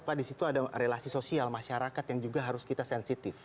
pak di situ ada relasi sosial masyarakat yang juga harus kita sensitif